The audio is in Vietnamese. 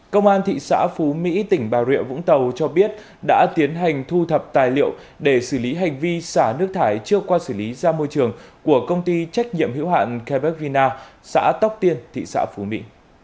công an thị xã phú mỹ tỉnh bà rịa vũng tàu cho biết đã tiến hành thu thập tài liệu để xử lý hành vi xả nước thải chưa qua xử lý ra môi trường của công ty trách nhiệm hữu hạn carberg vina xã tóc tiên thị xã phú mỹ